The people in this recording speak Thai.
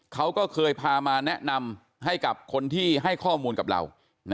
เขาก็เคยพามาแนะนำให้กับคนที่ให้ข้อมูลกับเรา